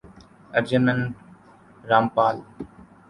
ارجن من را مپال